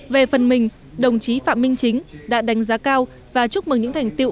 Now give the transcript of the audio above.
về phần mình đồng chí phạm minh chính đã đánh giá cao và chúc mừng những thành tiệu